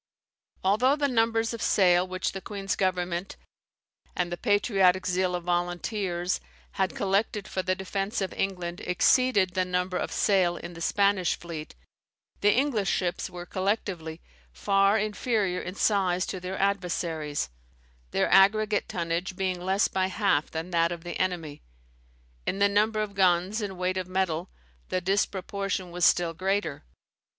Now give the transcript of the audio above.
Although the numbers of sail which the queen's government, and the patriotic zeal of volunteers, had collected for the defence of England exceeded the number of sail in the Spanish fleet, the English ships were, collectively, far inferior in size to their adversaries; their aggregate tonnage being less by half than that of the enemy. In the number of guns, and weight of metal, the disproportion was still greater.